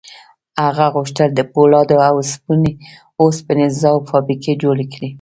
هغه غوښتل د پولادو او اوسپنې ذوب فابریکې جوړې کړي